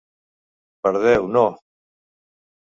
Per Déu, no!